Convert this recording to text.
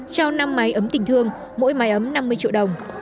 trao năm máy ấm tình thương mỗi mái ấm năm mươi triệu đồng